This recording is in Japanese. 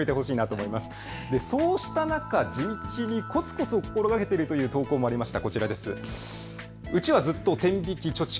そうした中、地道にコツコツを心がけているという投稿もありました。